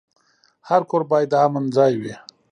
هر کور باید د امن ځای وي.